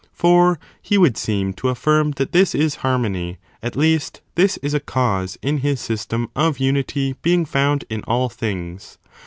For he would seem to affirm that this is harmony^ — at least, this is a cause in his system of unity being found in all things.